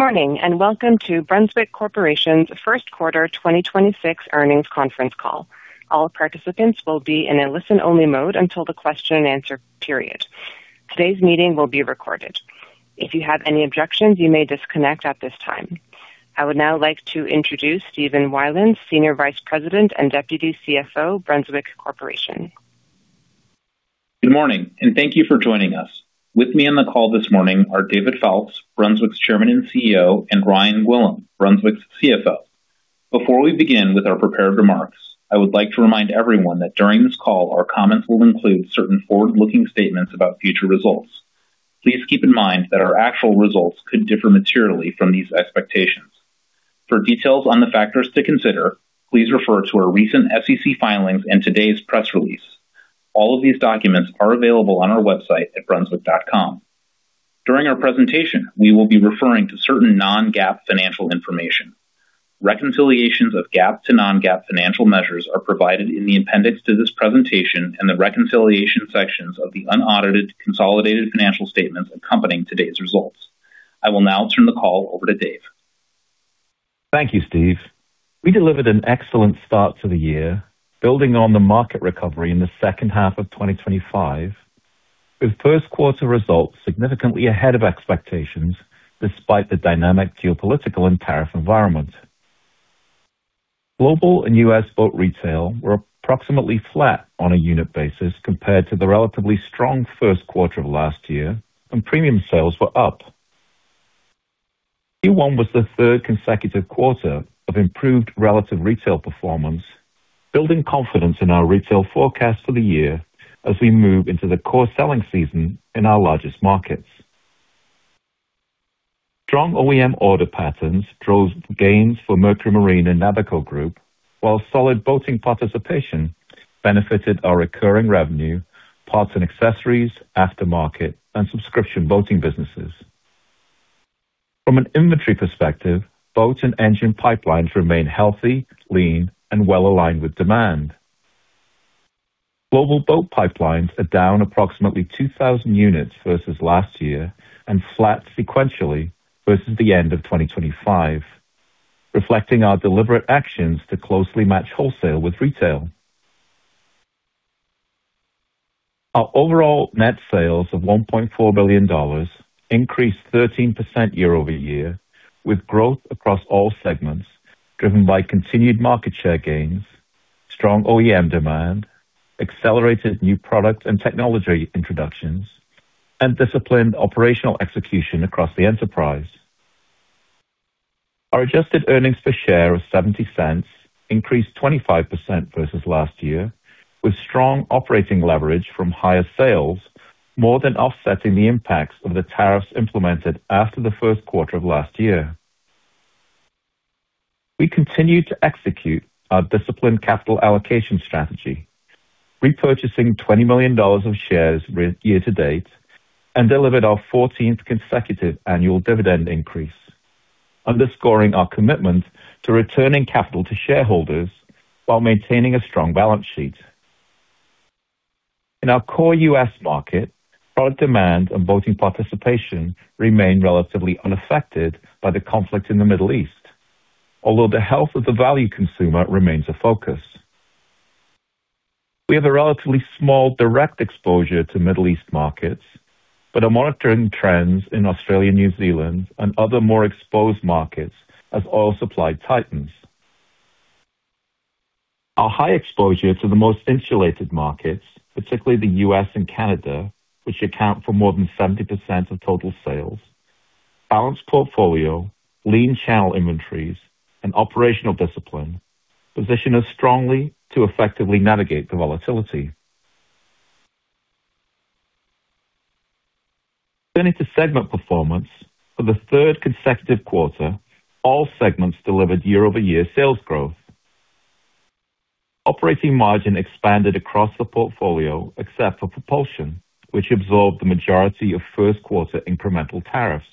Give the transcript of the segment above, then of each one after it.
Good morning, welcome to Brunswick Corporation's First Quarter 2026 Earnings Conference Call. All participants will be in a listen-only mode until the question and answer period. Today's meeting will be recorded. If you have any objections, you may disconnect at this time. I would now like to introduce Stephen Weiland, Senior Vice President and Deputy CFO, Brunswick Corporation. Good morning, and thank you for joining us. With me on the call this morning are David Foulkes, Brunswick's Chairman and CEO, and Ryan Gwillim, Brunswick's CFO. Before we begin with our prepared remarks, I would like to remind everyone that during this call, our comments will include certain forward-looking statements about future results. Please keep in mind that our actual results could differ materially from these expectations. For details on the factors to consider, please refer to our recent SEC filings and today's press release. All of these documents are available on our website at brunswick.com. During our presentation, we will be referring to certain non-GAAP financial information. Reconciliations of GAAP to non-GAAP financial measures are provided in the appendix to this presentation and the reconciliation sections of the unaudited consolidated financial statements accompanying today's results. I will now turn the call over to Dave. Thank you, Steve. We delivered an excellent start to the year, building on the market recovery in the second half of 2025, with first quarter results significantly ahead of expectations despite the dynamic geopolitical and tariff environment. Global and U.S. boat retail were approximately flat on a unit basis compared to the relatively strong first quarter of last year. Premium sales were up. Q1 was the third consecutive quarter of improved relative retail performance, building confidence in our retail forecast for the year as we move into the core selling season in our largest markets. Strong OEM order patterns drove gains for Mercury Marine and Navico Group, while solid boating participation benefited our recurring revenue, parts and accessories, aftermarket, and subscription boating businesses. From an inventory perspective, boat and engine pipelines remain healthy, lean, and well-aligned with demand. Global boat pipelines are down approximately 2,000 units versus last year and flat sequentially versus the end of 2025, reflecting our deliberate actions to closely match wholesale with retail. Our overall net sales of $1.4 billion increased 13% year-over-year, with growth across all segments driven by continued market share gains, strong OEM demand, accelerated new product and technology introductions, and disciplined operational execution across the enterprise. Our adjusted earnings per share of $0.70 increased 25% versus last year, with strong operating leverage from higher sales more than offsetting the impacts of the tariffs implemented after the first quarter of last year. We continue to execute our disciplined capital allocation strategy, repurchasing $20 million of shares year to date, and delivered our 14th consecutive annual dividend increase, underscoring our commitment to returning capital to shareholders while maintaining a strong balance sheet. In our core U.S. market, product demand and boating participation remain relatively unaffected by the conflict in the Middle East, although the health of the value consumer remains a focus. We have a relatively small direct exposure to Middle East markets, but are monitoring trends in Australia, New Zealand, and other more exposed markets as oil supply tightens. Our high exposure to the most insulated markets, particularly the U.S. and Canada, which account for more than 70% of total sales, balanced portfolio, lean channel inventories, and operational discipline position us strongly to effectively navigate the volatility. Turning to segment performance. For the third consecutive quarter, all segments delivered year-over-year sales growth. Operating margin expanded across the portfolio except for propulsion, which absorbed the majority of first quarter incremental tariffs.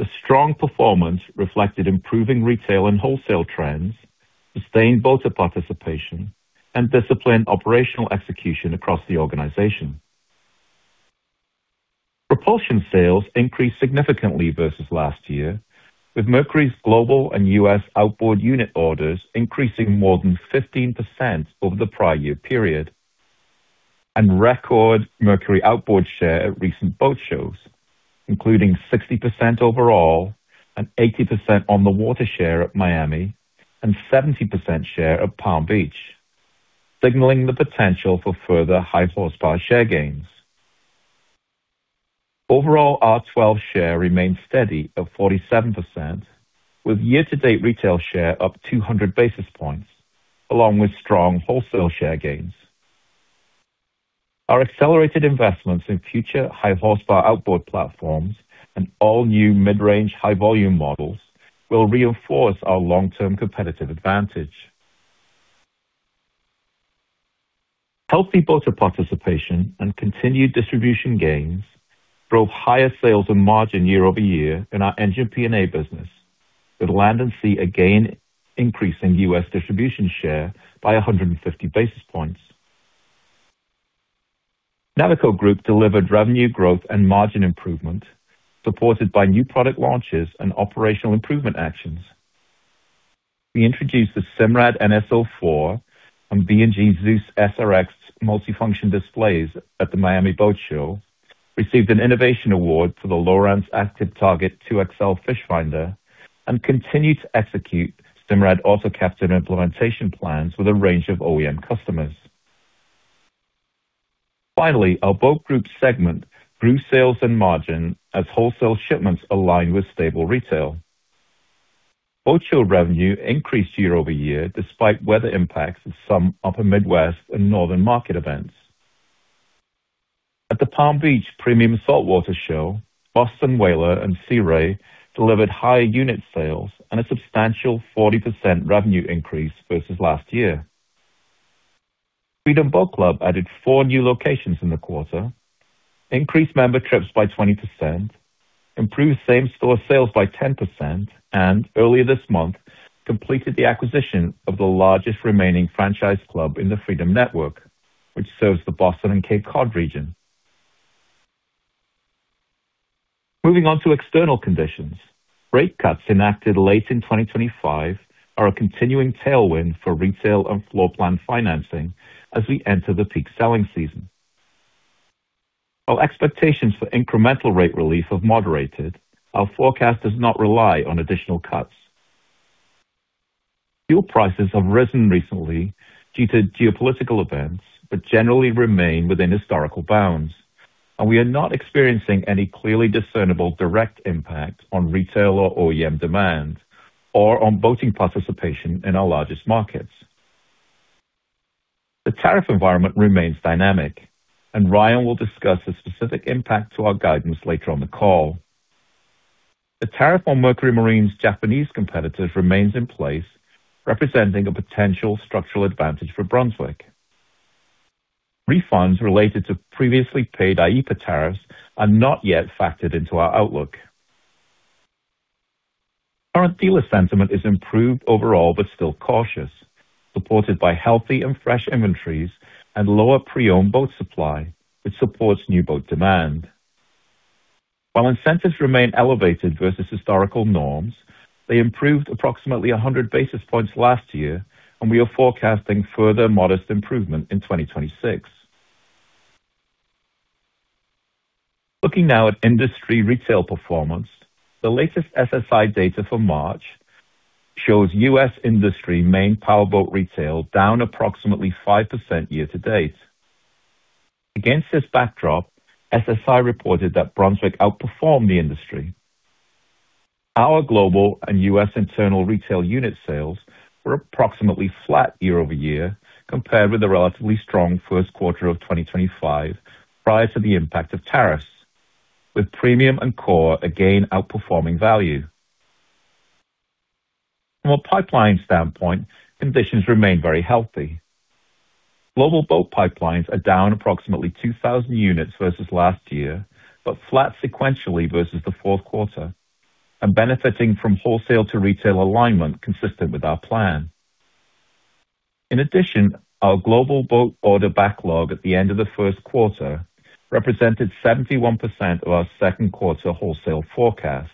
The strong performance reflected improving retail and wholesale trends, sustained boater participation, and disciplined operational execution across the organization. Propulsion sales increased significantly versus last year, with Mercury's global and U.S. outboard unit orders increasing more than 15% over the prior year period. Record Mercury outboard share at recent boat shows, including 60% overall and 80% on the water share at Miami and 70% share at Palm Beach, signaling the potential for further high horsepower share gains. Overall, R12 share remained steady at 47%, with year-to-date retail share up 200 basis points along with strong wholesale share gains. Our accelerated investments in future high horsepower outboard platforms and all new mid-range high volume models will reinforce our long-term competitive advantage. Healthy boater participation and continued distribution gains drove higher sales and margin year-over-year in our engine P&A business, with Land 'N' Sea again increasing U.S. distribution share by 150 basis points. Navico Group delivered revenue growth and margin improvement, supported by new product launches and operational improvement actions. We introduced the Simrad NSO 4 on B&G Zeus SRX multifunction displays at the Miami Boat Show, received an innovation award for the Lowrance ActiveTarget 2 XL Fish Finder, and continued to execute Simrad Autopilot implementation plans with a range of OEM customers. Finally, our Boat Group segment grew sales and margin as wholesale shipments aligned with stable retail. Boat show revenue increased year-over-year despite weather impacts of some upper Midwest and northern market events. At the Palm Beach International Boat Show, Boston Whaler and Sea Ray delivered high unit sales and a substantial 40% revenue increase versus last year. Freedom Boat Club added four new locations in the quarter, increased member trips by 20%, improved same-store sales by 10%, earlier this month, completed the acquisition of the largest remaining franchise club in the Freedom network, which serves the Boston and Cape Cod region. Moving on to external conditions. Rate cuts enacted late in 2025 are a continuing tailwind for retail and floor plan financing as we enter the peak selling season. While expectations for incremental rate relief have moderated, our forecast does not rely on additional cuts. Fuel prices have risen recently due to geopolitical events, but generally remain within historical bounds, and we are not experiencing any clearly discernible direct impact on retail or OEM demand or on boating participation in our largest markets. The tariff environment remains dynamic, Ryan will discuss the specific impact to our guidance later on the call. The tariff on Mercury Marine's Japanese competitors remains in place, representing a potential structural advantage for Brunswick. Refunds related to previously paid IEPA tariffs are not yet factored into our outlook. Current dealer sentiment is improved overall but still cautious, supported by healthy and fresh inventories and lower pre-owned boat supply, which supports new boat demand. While incentives remain elevated versus historical norms, they improved approximately 100 basis points last year, and we are forecasting further modest improvement in 2026. Looking now at industry retail performance. The latest SSI data for March shows U.S. industry main power boat retail down approximately 5% year-to-date. Against this backdrop, SSI reported that Brunswick outperformed the industry. Our global and U.S. internal retail unit sales were approximately flat year-over-year compared with the relatively strong first quarter of 2025 prior to the impact of tariffs, with premium and core again outperforming value. From a pipeline standpoint, conditions remain very healthy. Global boat pipelines are down approximately 2,000 units versus last year, but flat sequentially versus the fourth quarter and benefiting from wholesale to retail alignment consistent with our plan. In addition, our global boat order backlog at the end of the first quarter represented 71% of our second quarter wholesale forecast,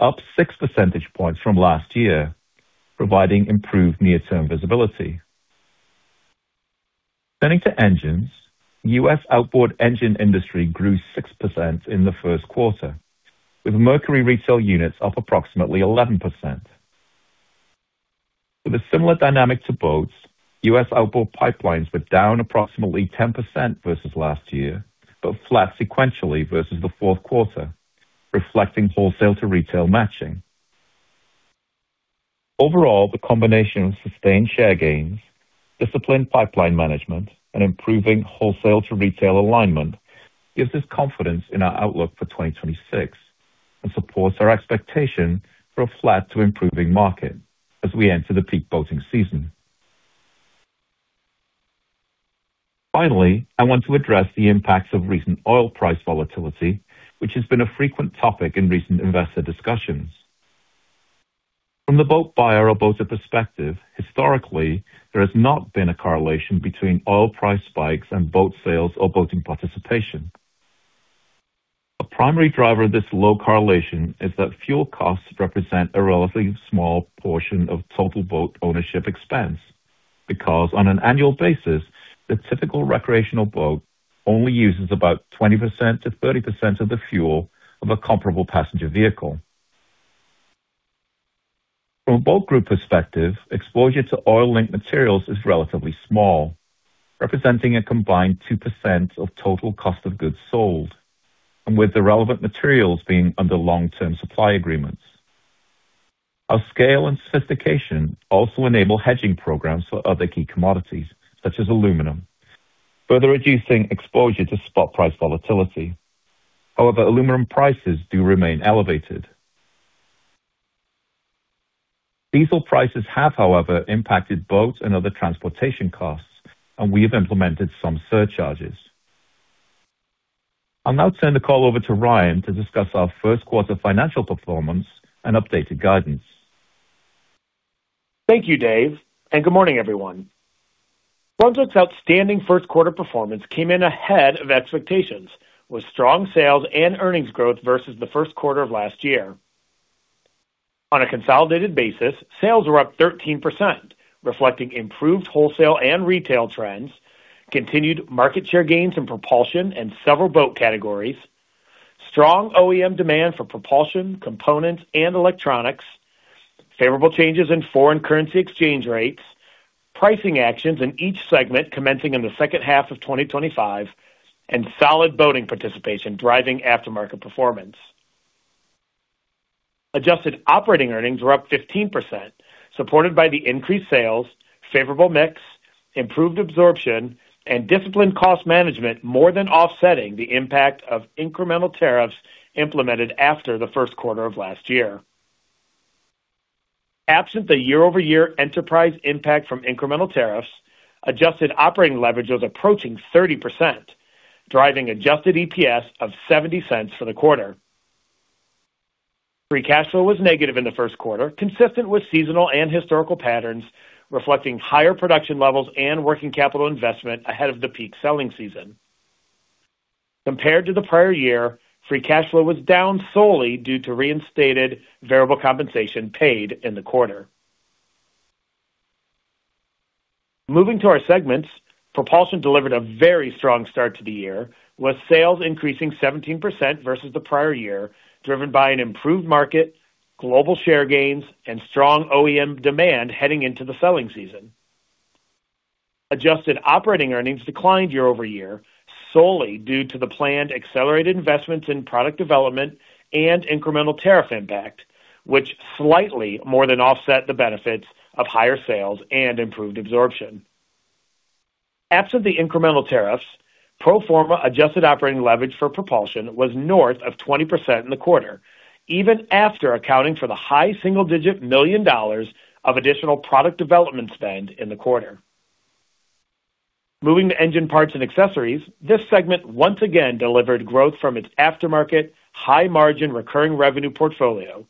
up 6 percentage points from last year, providing improved near-term visibility. Turning to engines. U.S. outboard engine industry grew 6% in the first quarter, with Mercury retail units up approximately 11%. With a similar dynamic to boats, U.S. outboard pipelines were down approximately 10% versus last year, but flat sequentially versus the fourth quarter, reflecting wholesale to retail matching. Overall, the combination of sustained share gains, disciplined pipeline management, and improving wholesale to retail alignment gives us confidence in our outlook for 2026 and supports our expectation for a flat to improving market as we enter the peak boating season. I want to address the impacts of recent oil price volatility, which has been a frequent topic in recent investor discussions. From the boat buyer or boater perspective, historically, there has not been a correlation between oil price spikes and boat sales or boating participation. A primary driver of this low correlation is that fuel costs represent a relatively small portion of total boat ownership expense, because on an annual basis, the typical recreational boat only uses about 20%-30% of the fuel of a comparable passenger vehicle. From a boat group perspective, exposure to oil-linked materials is relatively small, representing a combined 2% of total cost of goods sold, and with the relevant materials being under long-term supply agreements. Our scale and sophistication also enable hedging programs for other key commodities, such as aluminum, further reducing exposure to spot price volatility. However, aluminum prices do remain elevated. Diesel prices have, however, impacted boats and other transportation costs, and we have implemented some surcharges. I will now turn the call over to Ryan to discuss our first quarter financial performance and updated guidance. Thank you, Dave, and good morning, everyone. Brunswick's outstanding first quarter performance came in ahead of expectations, with strong sales and earnings growth versus the first quarter of last year. On a consolidated basis, sales were up 13%, reflecting improved wholesale and retail trends, continued market share gains in propulsion and several boat categories, strong OEM demand for propulsion, components, and electronics, favorable changes in foreign currency exchange rates, pricing actions in each segment commencing in the second half of 2025, and solid boating participation driving aftermarket performance. Adjusted operating earnings were up 15%, supported by the increased sales, favorable mix, improved absorption, and disciplined cost management more than offsetting the impact of incremental tariffs implemented after the first quarter of last year. Absent the year-over-year enterprise impact from incremental tariffs, adjusted operating leverage was approaching 30%, driving adjusted EPS of $0.70 for the quarter. Free cash flow was negative in the first quarter, consistent with seasonal and historical patterns, reflecting higher production levels and working capital investment ahead of the peak selling season. Compared to the prior year, free cash flow was down solely due to reinstated variable compensation paid in the quarter. Moving to our segments, Propulsion delivered a very strong start to the year, with sales increasing 17% versus the prior year, driven by an improved market, global share gains and strong OEM demand heading into the selling season. Adjusted operating earnings declined year-over-year solely due to the planned accelerated investments in product development and incremental tariff impact, which slightly more than offset the benefits of higher sales and improved absorption. Absent the incremental tariffs, pro forma adjusted operating leverage for propulsion was north of 20% in the quarter, even after accounting for the high single-digit million dollars of additional product development spend in the quarter. Moving to engine parts and accessories. This segment once again delivered growth from its aftermarket high margin recurring revenue portfolio,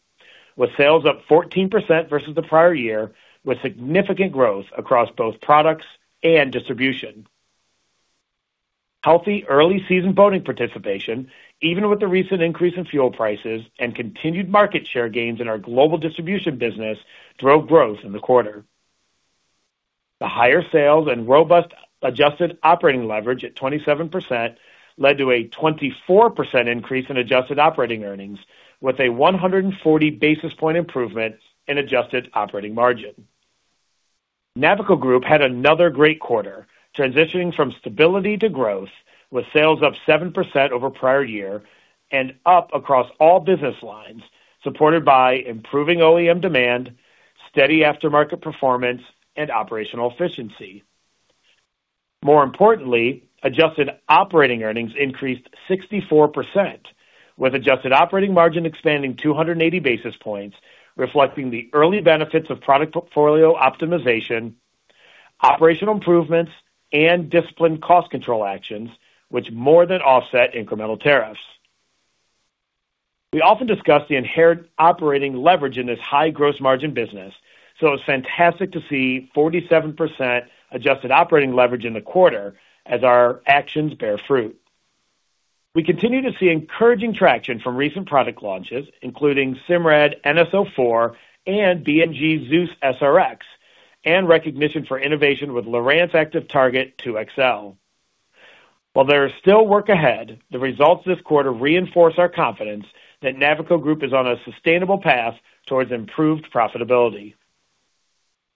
with sales up 14% versus the prior year, with significant growth across both products and distribution. Healthy early season boating participation, even with the recent increase in fuel prices and continued market share gains in our global distribution business, drove growth in the quarter. The higher sales and robust adjusted operating leverage at 27% led to a 24% increase in adjusted operating earnings, with a 140 basis point improvement in adjusted operating margin. Navico Group had another great quarter, transitioning from stability to growth, with sales up 7% over prior year and up across all business lines, supported by improving OEM demand, steady aftermarket performance, and operational efficiency. More importantly, adjusted operating earnings increased 64%, with adjusted operating margin expanding 280 basis points, reflecting the early benefits of product portfolio optimization, operational improvements, and disciplined cost control actions, which more than offset incremental tariffs. We often discuss the inherent operating leverage in this high gross margin business, so it's fantastic to see 47% adjusted operating leverage in the quarter as our actions bear fruit. We continue to see encouraging traction from recent product launches, including Simrad NSO 4 and B&G Zeus SRX, and recognition for innovation with Lowrance ActiveTarget 2 XL. While there is still work ahead, the results this quarter reinforce our confidence that Navico Group is on a sustainable path towards improved profitability.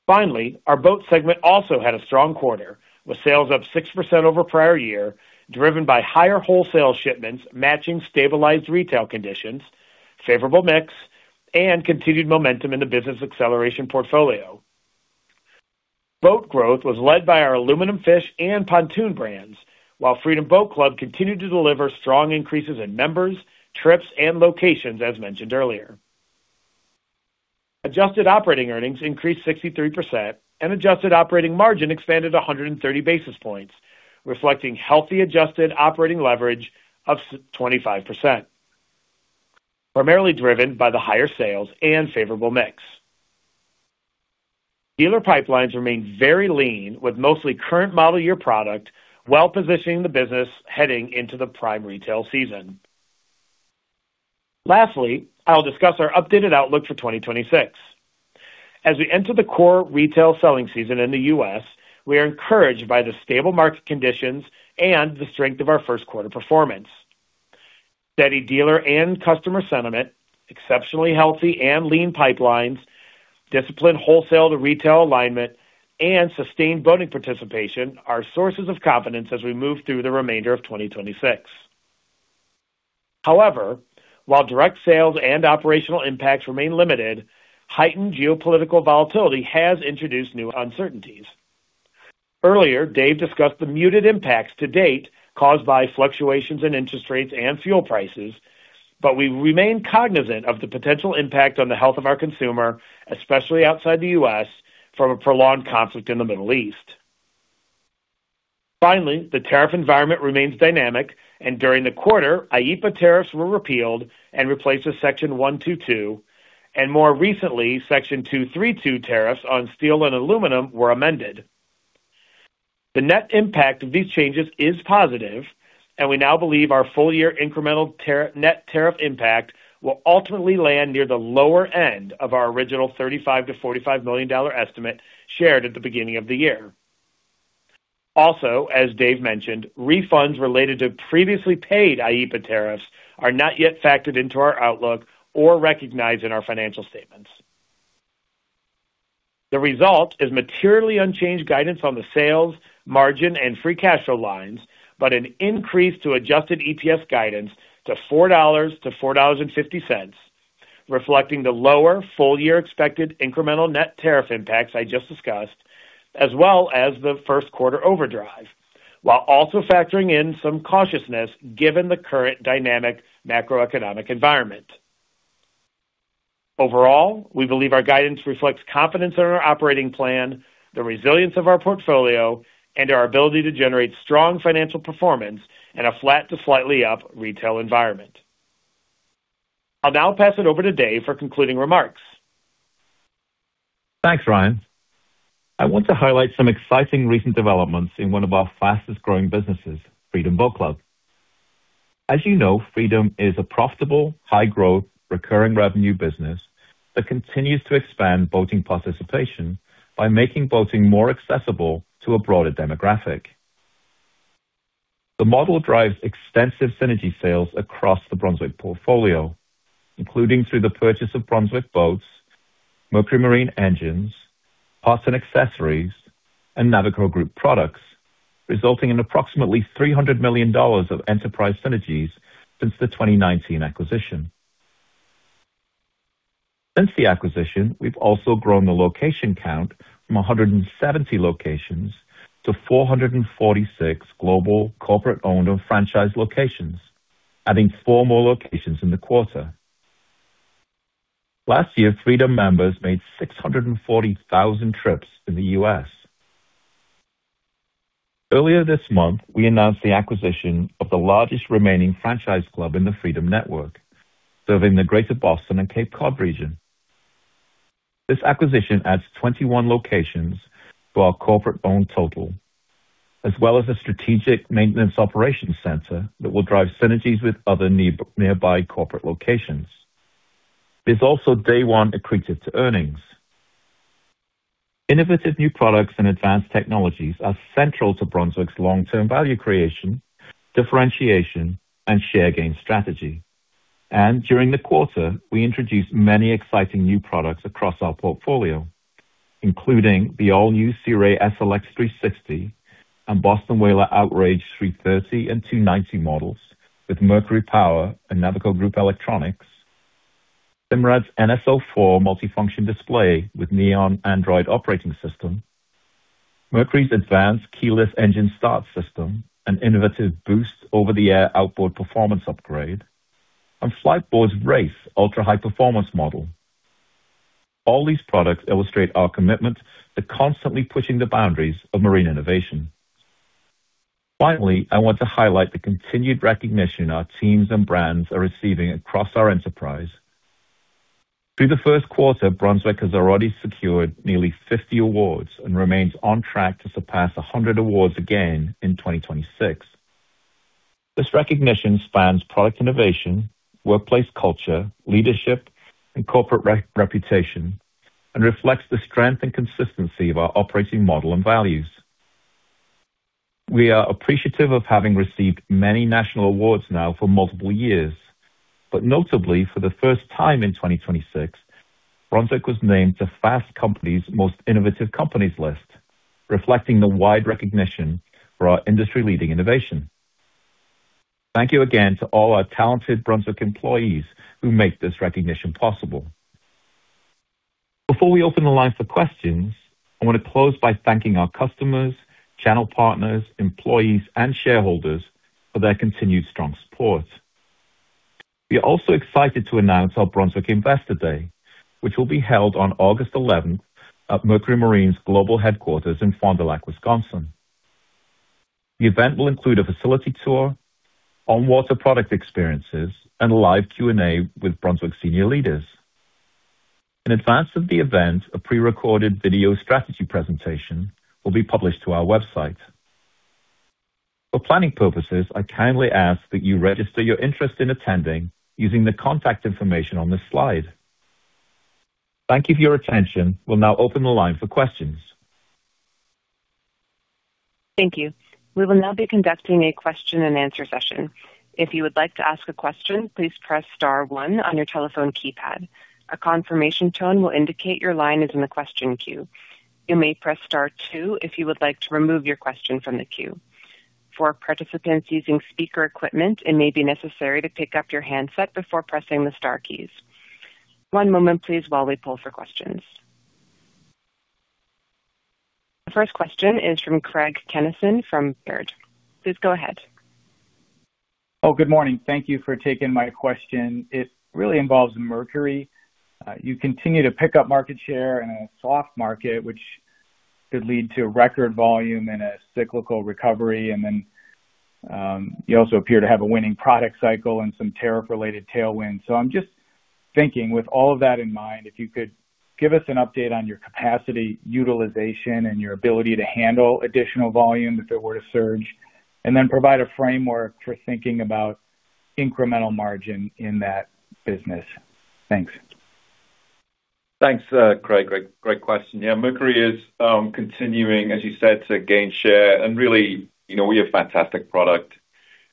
Our boat segment also had a strong quarter, with sales up 6% over prior year, driven by higher wholesale shipments, matching stabilized retail conditions, favorable mix, and continued momentum in the business acceleration portfolio. Boat growth was led by our aluminum fish and pontoon brands, while Freedom Boat Club continued to deliver strong increases in members, trips, and locations, as mentioned earlier. Adjusted operating earnings increased 63% and adjusted operating margin expanded 130 basis points, reflecting healthy adjusted operating leverage of 25%, primarily driven by the higher sales and favorable mix. Dealer pipelines remain very lean, with mostly current model year product, well-positioning the business heading into the prime retail season. Lastly, I'll discuss our updated outlook for 2026. As we enter the core retail selling season in the U.S., we are encouraged by the stable market conditions and the strength of our first quarter performance. Steady dealer and customer sentiment, exceptionally healthy and lean pipelines, disciplined wholesale to retail alignment, and sustained boating participation are sources of confidence as we move through the remainder of 2026. However, while direct sales and operational impacts remain limited, heightened geopolitical volatility has introduced new uncertainties. Earlier, Dave discussed the muted impacts to date caused by fluctuations in interest rates and fuel prices. We remain cognizant of the potential impact on the health of our consumer, especially outside the U.S., from a prolonged conflict in the Middle East. The tariff environment remains dynamic. During the quarter, IEPA tariffs were repealed and replaced with Section 122, and more recently, Section 232 tariffs on steel and aluminum were amended. The net impact of these changes is positive. We now believe our full-year incremental net tariff impact will ultimately land near the lower end of our original $35 million-$45 million estimate shared at the beginning of the year. As Dave mentioned, refunds related to previously paid IEPA tariffs are not yet factored into our outlook or recognized in our financial statements. The result is materially unchanged guidance on the sales, margin, and free cash flow lines, but an increase to adjusted EPS guidance to $4-$4.50, reflecting the lower full-year expected incremental net tariff impacts I just discussed, as well as the first quarter overdrive, while also factoring in some cautiousness given the current dynamic macroeconomic environment. Overall, we believe our guidance reflects confidence in our operating plan, the resilience of our portfolio, and our ability to generate strong financial performance in a flat to slightly up retail environment. I'll now pass it over to Dave for concluding remarks. Thanks, Ryan. I want to highlight some exciting recent developments in one of our fastest-growing businesses, Freedom Boat Club. As you know, Freedom is a profitable, high-growth, recurring revenue business that continues to expand boating participation by making boating more accessible to a broader demographic. The model drives extensive synergy sales across the Brunswick portfolio, including through the purchase of Brunswick boats, Mercury Marine engines, parts and accessories, and Navico Group products, resulting in approximately $300 million of enterprise synergies since the 2019 acquisition. Since the acquisition, we've also grown the location count from 170 locations to 446 global corporate-owned or franchised locations, adding 4 more locations in the quarter. Last year, Freedom members made 640,000 trips in the U.S. Earlier this month, we announced the acquisition of the largest remaining franchise club in the Freedom network, serving the Greater Boston and Cape Cod region. This acquisition adds 21 locations to our corporate-owned total, as well as a strategic maintenance operations center that will drive synergies with other nearby corporate locations. It is also day 1 accretive to earnings. Innovative new products and advanced technologies are central to Brunswick's long-term value creation, differentiation, and share gain strategy. During the quarter, we introduced many exciting new products across our portfolio, including the all-new Sea Ray SLX 360 and Boston Whaler Outrage 330 and 290 models with Mercury power and Navico Group electronics, Simrad's NSO 4 multifunction display with Neon Android operating system, Mercury's advanced keyless engine start system, an innovative boost over-the-air outboard performance upgrade, and Fliteboard's Race ultra-high performance model. All these products illustrate our commitment to constantly pushing the boundaries of marine innovation. I want to highlight the continued recognition our teams and brands are receiving across our enterprise. Through the first quarter, Brunswick has already secured nearly 50 awards and remains on track to surpass 100 awards again in 2026. This recognition spans product innovation, workplace culture, leadership, and corporate reputation and reflects the strength and consistency of our operating model and values. We are appreciative of having received many national awards now for multiple years, notably, for the first time in 2026, Brunswick was named to Fast Company's Most Innovative Companies list, reflecting the wide recognition for our industry-leading innovation. Thank you again to all our talented Brunswick employees who make this recognition possible. Before we open the line for questions, I want to close by thanking our customers, channel partners, employees, and shareholders for their continued strong support. We are also excited to announce our Brunswick Investor Day, which will be held on August 11th at Mercury Marine's global headquarters in Fond du Lac, Wisconsin. The event will include a facility tour, on-water product experiences, and a live Q&A with Brunswick senior leaders. In advance of the event, a pre-recorded video strategy presentation will be published to our website. For planning purposes, I kindly ask that you register your interest in attending using the contact information on this slide. Thank you for your attention. We'll now open the line for questions. Thank you. We will now be conducting a question and answer session. If you would like to ask a question please press star one on your telephone keypad. A confirmation tone will indicate your line is on the question queue. You press star two if you would like to remove your question from the queue. For participants who is in speaker, it may be necessary to pick your hand first before pressing the star key. The first question is from Craig Kennison from Baird. Please go ahead. Good morning. Thank you for taking my question. It really involves Mercury. You continue to pick up market share in a soft market, which could lead to record volume in a cyclical recovery. You also appear to have a winning product cycle and some tariff related tailwind. I'm just thinking with all of that in mind, if you could give us an update on your capacity utilization and your ability to handle additional volume if it were to surge, and then provide a framework for thinking about incremental margin in that business. Thanks. Thanks, Craig. Great question. Mercury is continuing, as you said, to gain share. Really, you know, we have fantastic product.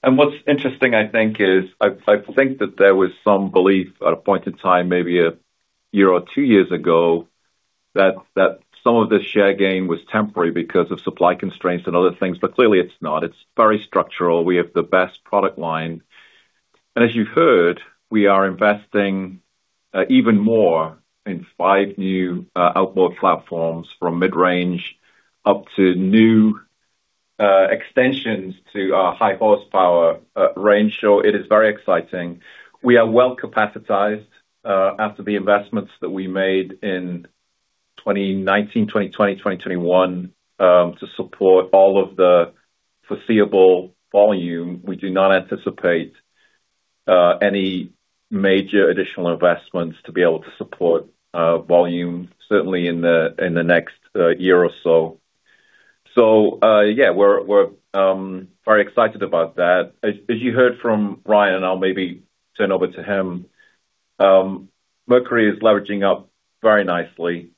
What's interesting, I think, is I think that there was some belief at a point in time, maybe a year or two years ago, that some of the share gain was temporary because of supply constraints and other things, clearly it's not. It's very structural. We have the best product line. As you've heard, we are investing even more in five new outboard platforms from mid-range up to new extensions to our high horsepower range. It is very exciting. We are well-capacitized after the investments that we made in 2019, 2020, 2021 to support all of the foreseeable volume. We do not anticipate any major additional investments to be able to support volume certainly in the next one year or so. Yeah, we're very excited about that. As you heard from Ryan, and I'll maybe turn over to him, Mercury is leveraging up very nicely.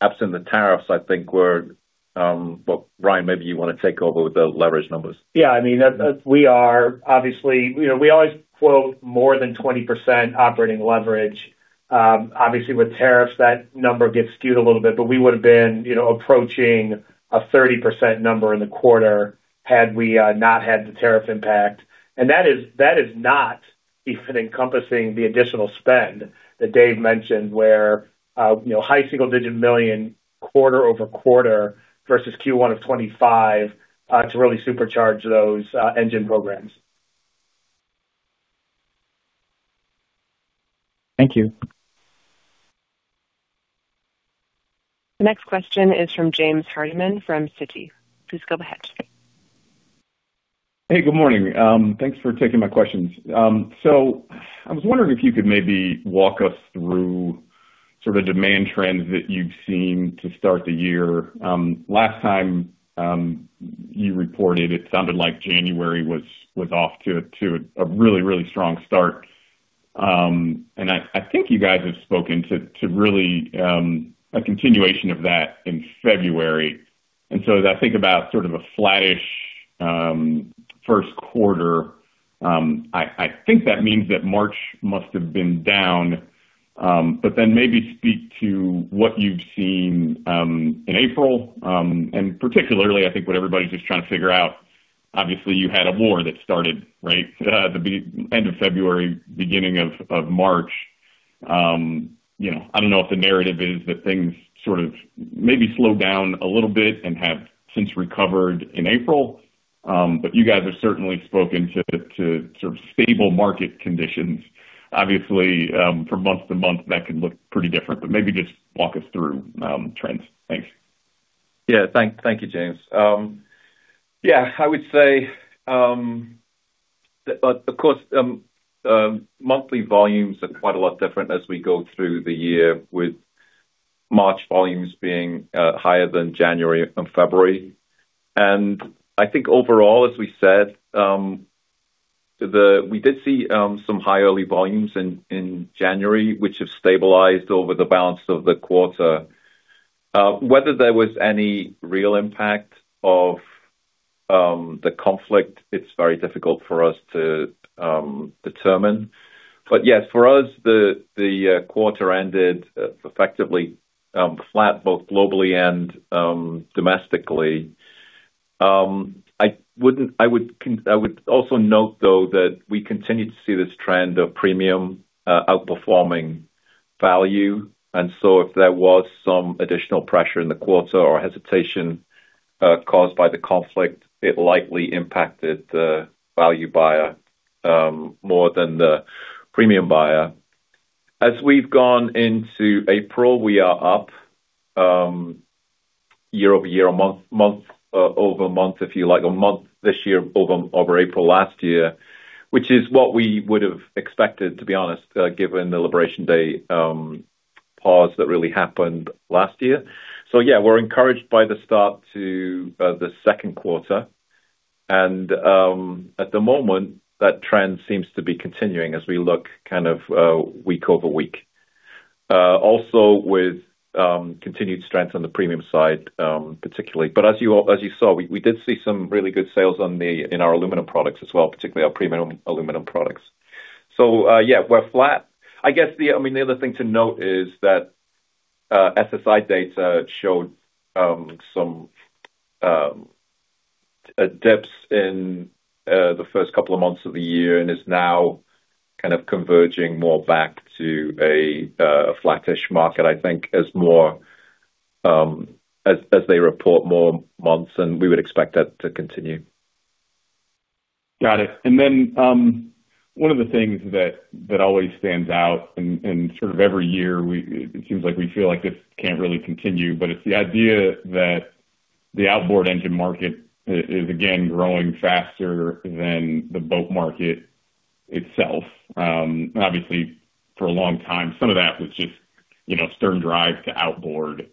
Absent the tariffs, I think we're. Well, Ryan, maybe you wanna take over with the leverage numbers. Yeah. I mean, as we are, obviously, you know, we always quote more than 20% operating leverage. Obviously with tariffs that number gets skewed a little bit, but we would've been, you know, approaching a 30% number in the quarter had we not had the tariff impact. That is, that is not even encompassing the additional spend that Dave mentioned where, you know, high single digit million quarter-over-quarter versus Q1 of 2025, to really supercharge those engine programs. Thank you. The next question is from James Hardiman from Citi. Please go ahead. Hey, good morning. Thanks for taking my questions. I was wondering if you could maybe walk us through sort of demand trends that you've seen to start the year. Last time, you reported it sounded like January was off to a really strong start. I think you guys have spoken to really a continuation of that in February. As I think about sort of a flattish first quarter, I think that means that March must have been down. Maybe speak to what you've seen in April. Particularly I think what everybody's just trying to figure out, obviously you had a war that started, right? The end of February, beginning of March. You know, I don't know if the narrative is that things sort of maybe slowed down a little bit and have since recovered in April. You guys have certainly spoken to sort of stable market conditions. Obviously, from month to month that can look pretty different, but maybe just walk us through, trends. Thanks. Thank you, James. I would say that of course, monthly volumes are quite a lot different as we go through the year with March volumes being higher than January and February. I think overall, as we said, we did see some high early volumes in January, which have stabilized over the balance of the quarter. Whether there was any real impact of the conflict, it's very difficult for us to determine. Yes, for us, the quarter ended effectively flat both globally and domestically. I would also note though that we continue to see this trend of premium outperforming value. If there was some additional pressure in the quarter or hesitation, caused by the conflict, it likely impacted the value buyer more than the premium buyer. As we've gone into April, we are up year-over-year or month-over-month if you like, or month this year over April last year, which is what we would've expected, to be honest, given the Liberation Day pause that really happened last year. We're encouraged by the start to the second quarter. At the moment that trend seems to be continuing as we look kind of week-over-week. Also with continued strength on the premium side, particularly. As you saw, we did see some really good sales in our aluminum products as well, particularly our premium aluminum products. Yeah, we're flat. I mean, the other thing to note is that SSI data showed some dips in the first couple of months of the year and is now kind of converging more back to a flattish market, I think, as they report more months, and we would expect that to continue. Got it. One of the things that always stands out and sort of every year we it seems like we feel like this can't really continue, but it's the idea that the outboard engine market is again growing faster than the boat market itself. Obviously, for a long time, some of that was just, you know, stern drive to outboard.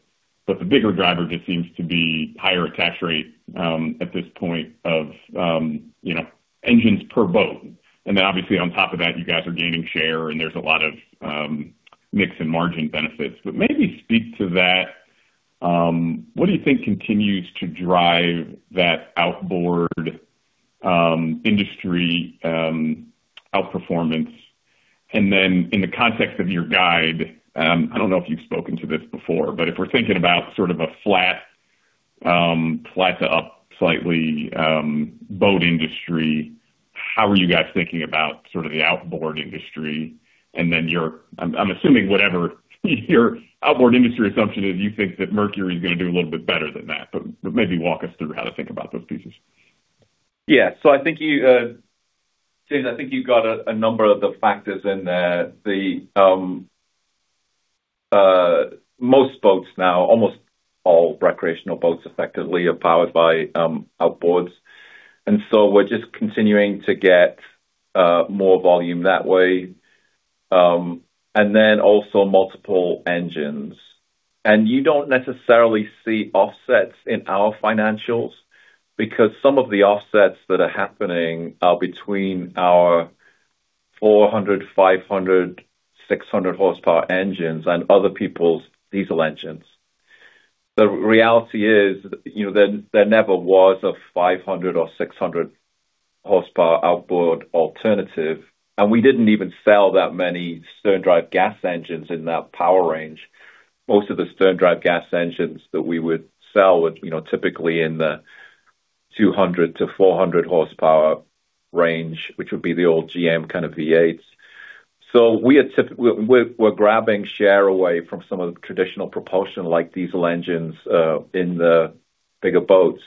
The bigger driver just seems to be higher attach rate, at this point of, you know, engines per boat. Obviously on top of that, you guys are gaining share and there's a lot of, mix and margin benefits. Maybe speak to that. What do you think continues to drive that outboard, industry, outperformance? In the context of your guide, I don't know if you've spoken to this before, but if we're thinking about sort of a flat to up slightly, boat industry, how are you guys thinking about sort of the outboard industry? Your I'm assuming whatever your outboard industry assumption is, you think that Mercury is gonna do a little bit better than that. Maybe walk us through how to think about those pieces. Yeah. I think you, James, I think you got a number of the factors in there. The most boats now, almost all recreational boats effectively are powered by outboards. We're just continuing to get more volume that way. Also multiple engines. You don't necessarily see offsets in our financials because some of the offsets that are happening are between our 400, 500, 600 horsepower engines and other people's diesel engines. The reality is, you know, there never was a 500 or 600 horsepower outboard alternative, and we didn't even sell that many stern drive gas engines in that power range. Most of the stern drive gas engines that we would sell were, you know, typically in the 200-400 horsepower range, which would be the old GM kind of V8s. We're grabbing share away from some of the traditional propulsion like diesel engines in the bigger boats.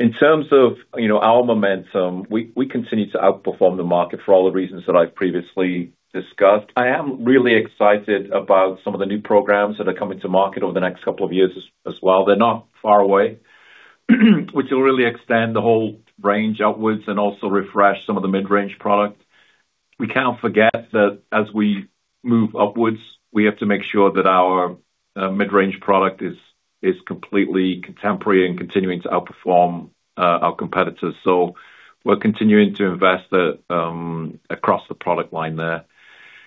In terms of, you know, our momentum, we continue to outperform the market for all the reasons that I've previously discussed. I am really excited about some of the new programs that are coming to market over the next couple of years as well. They're not far away, which will really extend the whole range outwards and also refresh some of the mid-range product. We can't forget that as we move upwards, we have to make sure that our mid-range product is completely contemporary and continuing to outperform our competitors. We're continuing to invest across the product line there.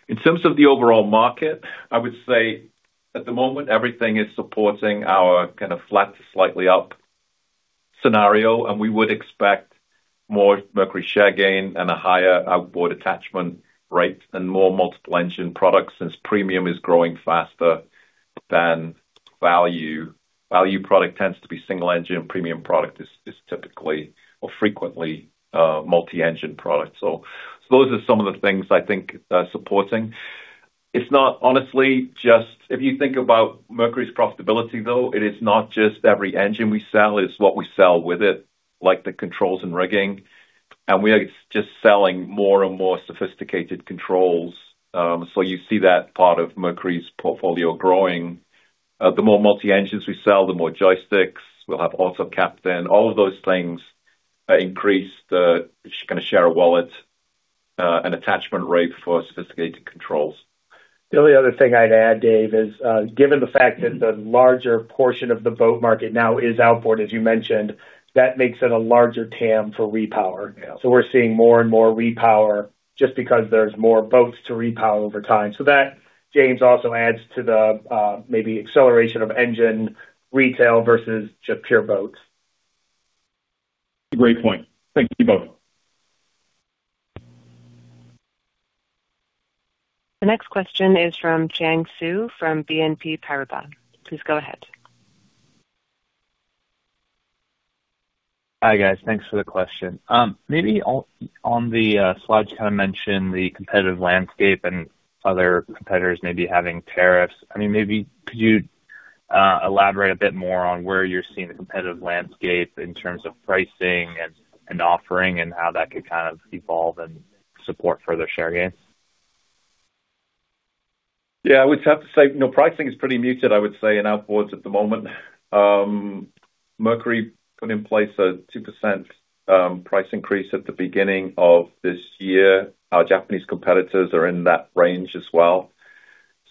In terms of the overall market, I would say at the moment everything is supporting our kind of flat to slightly up scenario, and we would expect more Mercury share gain and a higher outboard attachment rate and more multiple engine products since premium is growing faster than value. Value product tends to be single engine, premium product is typically or frequently multi-engine products. Those are some of the things I think are supporting. If you think about Mercury's profitability though, it is not just every engine we sell, it's what we sell with it, like the controls and rigging. We are just selling more and more sophisticated controls. You see that part of Mercury's portfolio growing. The more multi engines we sell, the more joysticks. We'll have AutoCaptain. All of those things increase kinda share of wallet and attachment rate for sophisticated controls. The only other thing I'd add, David, is given the fact that the larger portion of the boat market now is outboard, as you mentioned, that makes it a larger TAM for repower. Yeah. We're seeing more and more repower just because there's more boats to repower over time. That, James, also adds to the maybe acceleration of engine retail versus just pure boats. It's a great point. Thank you both. The next question is from Xian Siew from BNP Paribas. Please go ahead. Hi, guys. Thanks for the question. Maybe on the slides, you kind of mentioned the competitive landscape and other competitors maybe having tariffs. I mean, maybe could you elaborate a bit more on where you're seeing the competitive landscape in terms of pricing and offering, and how that could kind of evolve and support further share gains? Yeah. I would have to say, you know, pricing is pretty muted, I would say, in outboards at the moment. Mercury put in place a 2% price increase at the beginning of this year. Our Japanese competitors are in that range as well.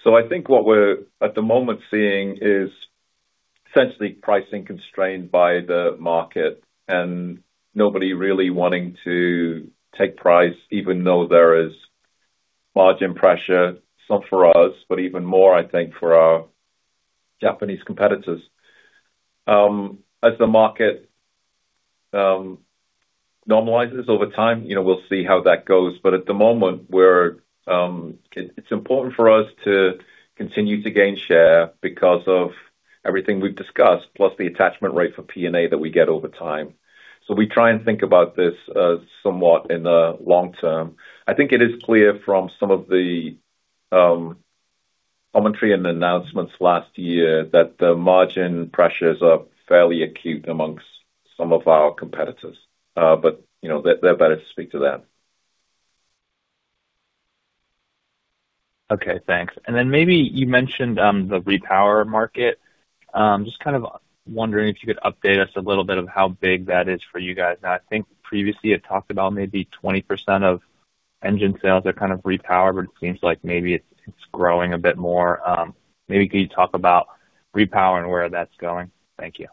I think what we're at the moment seeing is essentially pricing constrained by the market and nobody really wanting to take price even though there is margin pressure. Some for us, but even more, I think, for our Japanese competitors. As the market normalizes over time, you know, we'll see how that goes. At the moment it's important for us to continue to gain share because of everything we've discussed, plus the attachment rate for P&A that we get over time. We try and think about this somewhat in the long term. I think it is clear from some of the commentary and announcements last year that the margin pressures are fairly acute amongst some of our competitors. You know, they're better to speak to that. Okay, thanks. Maybe you mentioned the repower market. Just kind of wondering if you could update us a little bit of how big that is for you guys. Now, I think previously you talked about maybe 20% of engine sales are kind of repower, but it seems like maybe it's growing a bit more. Maybe could you talk about repower and where that's going? Thank you.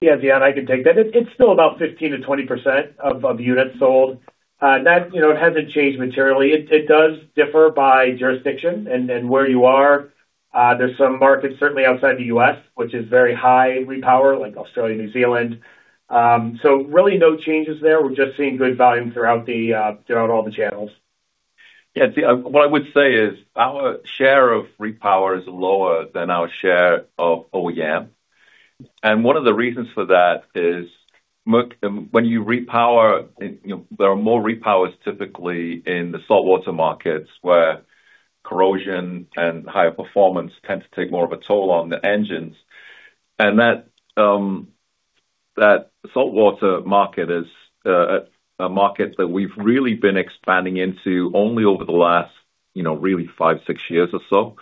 Yeah. Yeah, I can take that. It's still about 15%-20% of units sold. That, you know, it hasn't changed materially. It, it does differ by jurisdiction and where you are. There's some markets certainly outside the U.S. which is very high repower, like Australia, New Zealand. Really no changes there. We're just seeing good volume throughout all the channels. Yeah. See, what I would say is our share of repower is lower than our share of OEM. One of the reasons for that is when you repower, you know, there are more repowers typically in the saltwater markets, where corrosion and higher performance tend to take more of a toll on the engines. That saltwater market is a market that we've really been expanding into only over the last, you know, really five, six years or so.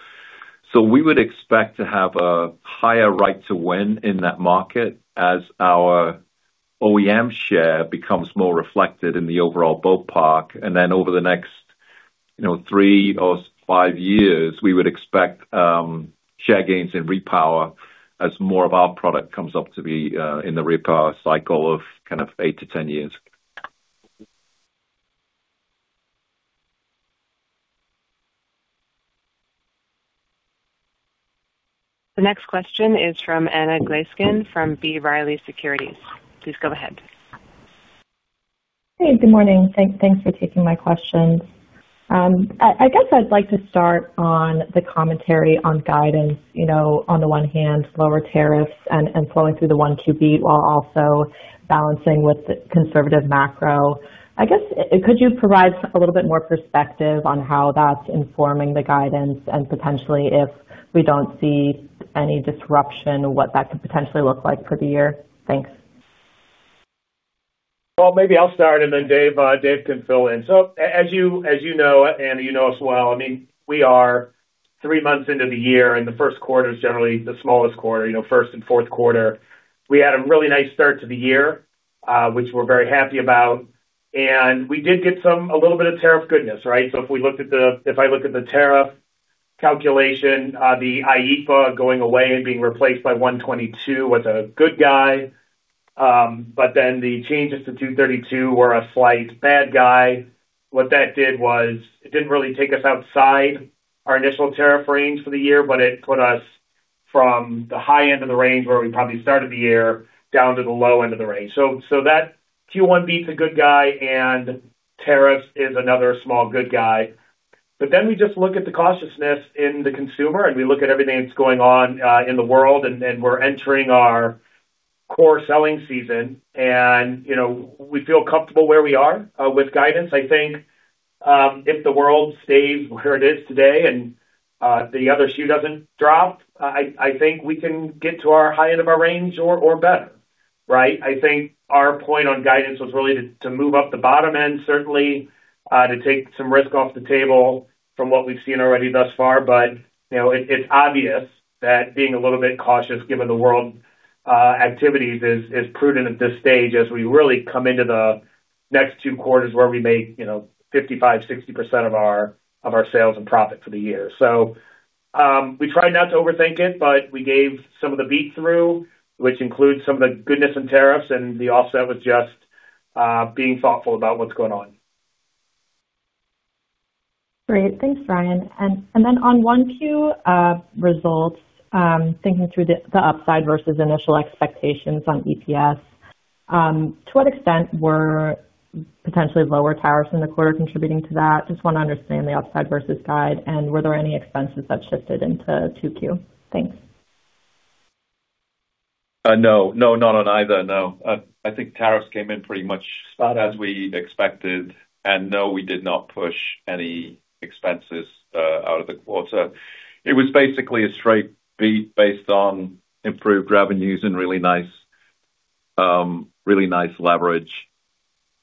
We would expect to have a higher right to win in that market as our OEM share becomes more reflected in the overall boat park. Over the next, you know, three or five years, we would expect share gains in repower as more of our product comes up to be in the repower cycle of kind of 8-10 years. The next question is from Anna Glaessgen from B. Riley Securities. Please go ahead. Hey, good morning. Thanks for taking my questions. I guess I'd like to start on the commentary on guidance. You know, on the one hand, lower tariffs and flowing through the 1-2 beat while also balancing with the conservative macro. I guess, could you provide a little bit more perspective on how that's informing the guidance and potentially if we don't see any disruption, what that could potentially look like for the year? Thanks. Maybe I'll start, Dave can fill in. As you know, and you know us well, I mean, we are three months into the year, the first quarter is generally the smallest quarter, you know, 1st and 4th quarter. We had a really nice start to the year, which we're very happy about. We did get some a little bit of tariff goodness, right? If we look at the if I look at the tariff calculation, the IEPA going away and being replaced by Section 122 was a good guy. The changes to Section 232 were a slight bad guy. What that did was it didn't really take us outside our initial tariff range for the year, but it put us from the high end of the range where we probably started the year down to the low end of the range. That Q1 beat's a good guy and tariffs is another small good guy. We just look at the cautiousness in the consumer, and we look at everything that's going on in the world, and we're entering our core selling season. You know, we feel comfortable where we are with guidance. I think if the world stays where it is today and the other shoe doesn't drop, I think we can get to our high end of our range or better, right? I think our point on guidance was really to move up the bottom end, certainly, to take some risk off the table from what we've seen already thus far. You know, it's obvious that being a little bit cautious given the world activities is prudent at this stage as we really come into the next two quarters where we make, you know, 55%-60% of our sales and profit for the year. We try not to overthink it, but we gave some of the beat through, which includes some of the goodness in tariffs and the offset with just being thoughtful about what's going on. Great. Thanks, Ryan. On 1Q results, thinking through the upside versus initial expectations on EPS, to what extent were potentially lower tariffs in the quarter contributing to that? Just wanna understand the upside versus guide. Were there any expenses that shifted into Q2? Thanks. No. No, not on either, no. I think tariffs came in pretty much spot as we expected. No, we did not push any expenses out of the quarter. It was basically a straight beat based on improved revenues and really nice leverage.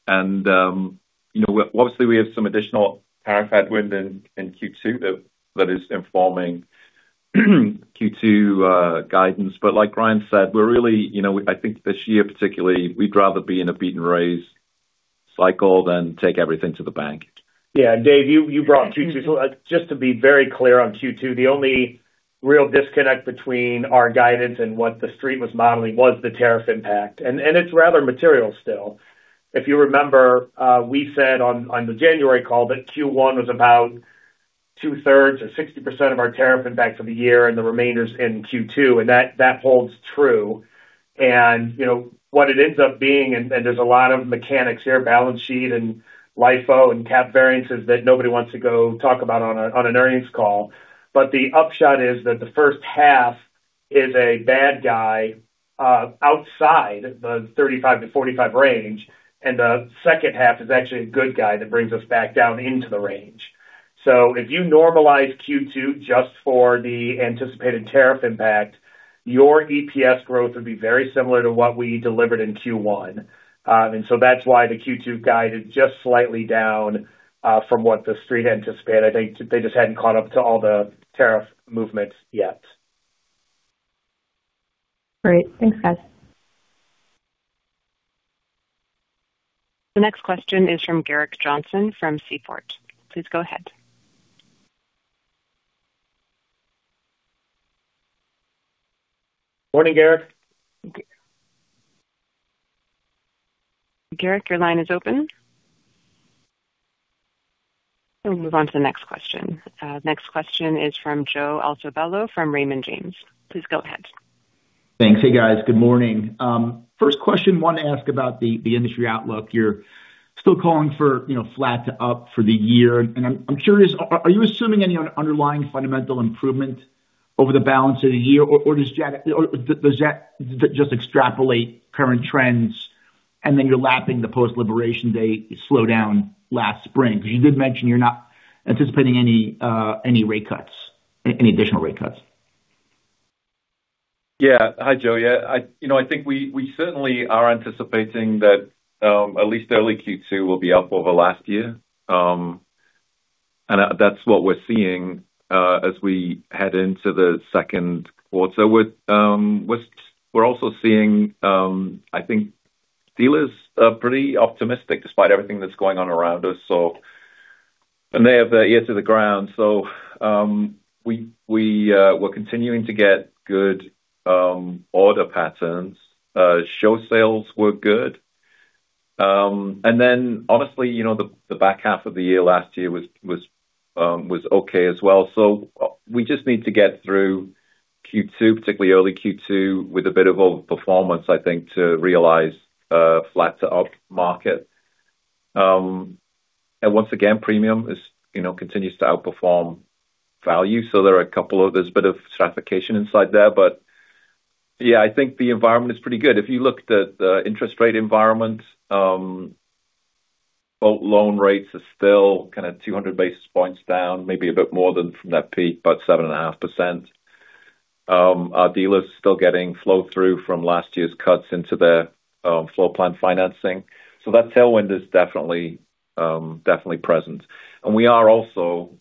You know, obviously, we have some additional tariff headwind in Q2 that is informing Q2 guidance. Like Ryan said, we're really, you know, I think this year particularly, we'd rather be in a beat and raise cycle than take everything to the bank. Yeah. Dave, you brought Q2. Just to be very clear on Q2, the only real disconnect between our guidance and what the street was modeling was the tariff impact. It's rather material still. If you remember, we said on the January call that Q1 was about two-thirds or 60% of our tariff impact for the year and the remainder's in Q2, and that holds true. You know, what it ends up being, and there's a lot of mechanics here, balance sheet and LIFO and cap variances that nobody wants to go talk about on an earnings call. The upshot is that the first half- Is a bad guy, outside the 35-45 range, and the second half is actually a good guy that brings us back down into the range. If you normalize Q2 just for the anticipated tariff impact, your EPS growth would be very similar to what we delivered in Q1. That's why the Q2 guide is just slightly down from what the Street had anticipated. I think they just hadn't caught up to all the tariff movements yet. Great. Thanks, guys. The next question is from Gerrick Johnson from Seaport. Please go ahead. Morning, Gerrick. Gerrick, your line is open. We'll move on to the next question. Next question is from Joe Altobello from Raymond James. Please go ahead. Thanks. Hey, guys. Good morning. First question I want to ask about the industry outlook. You're still calling for, you know, flat to up for the year. I'm curious, are you assuming any underlying fundamental improvement over the balance of the year, or does Jet just extrapolate current trends and then you're lapping the post-Liberation Day slowdown last spring? Because you did mention you're not anticipating any additional rate cuts. Hi, Joe. I, you know, I think we certainly are anticipating that at least early Q2 will be up over last year. That's what we're seeing as we head into the second quarter. We're also seeing, I think dealers are pretty optimistic despite everything that's going on around us. They have their ear to the ground. We're continuing to get good order patterns. Show sales were good. Honestly, you know, the back half of the year last year was okay as well. We just need to get through Q2, particularly early Q2, with a bit of overperformance, I think, to realize a flat to upmarket. Once again, premium is, you know, continues to outperform value. There are a couple of there's a bit of stratification inside there, but yeah, I think the environment is pretty good. If you look at the interest rate environment, boat loan rates are still kind of 200 basis points down, maybe a bit more than from that peak, about 7.5%. Our dealers still getting flow-through from last year's cuts into their floor plan financing. That tailwind is definitely present. We are also